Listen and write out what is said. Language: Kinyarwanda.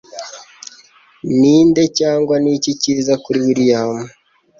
Ninde Cyangwa Niki Cyiza kuri William